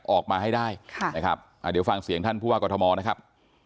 ออกมาให้ได้นะครับเดี๋ยวฟังเสียงท่านผู้ว่ากรทมนะครับ